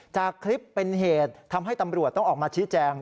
จากคลิปเป็นเหตุทำให้ตำรวจต้องออกมาชี้แจง